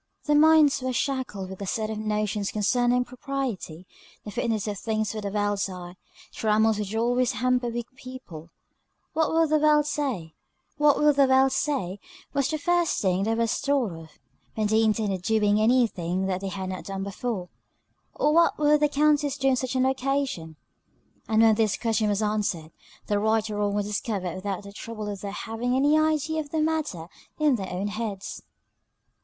Their minds were shackled with a set of notions concerning propriety, the fitness of things for the world's eye, trammels which always hamper weak people. What will the world say? was the first thing that was thought of, when they intended doing any thing they had not done before. Or what would the Countess do on such an occasion? And when this question was answered, the right or wrong was discovered without the trouble of their having any idea of the matter in their own heads.